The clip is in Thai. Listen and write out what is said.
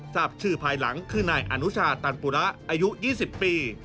ทราบชื่อภายหลังคือนายอนุชาตันปุระอายุ๒๐ปี